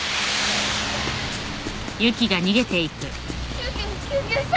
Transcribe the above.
救急救急車。